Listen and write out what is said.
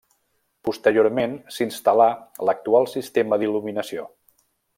Posteriorment s’instal·là l’actual sistema d’il·luminació.